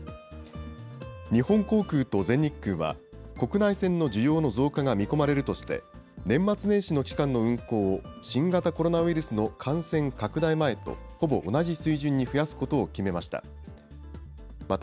日本航空と全日空は、国内線の需要の増加が見込まれるとして、年末年始の期間の運航を新型コロナウイルスの感染拡大前とほぼ同じ水準に増やすことを決めました。